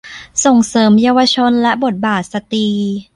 ส่งเสริมเยาวชนและบทบาทสตรี